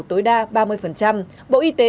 tối đa ba mươi bộ y tế